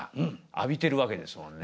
浴びてるわけですもんね。